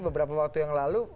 beberapa waktu yang lalu